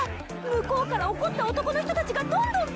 向こうから怒った男の人たちがどんどん来るっちゃ！